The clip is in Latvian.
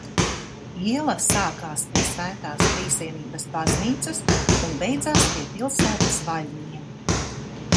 Iela sākās pie Svētās Trīsvienības baznīcas un beidzās pie pilsētas vaļņiem.